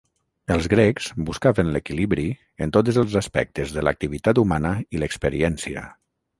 Els grecs buscaven l'equilibri en tots els aspectes de l'activitat humana i l'experiència.